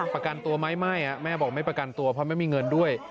ประกันตัวไหมไม่แม่บอกไม่ประกันตัวเพราะไม่มีเงินด้วย